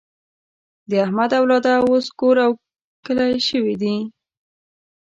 د احمد اولاده اوس کور او کلی شوې ده.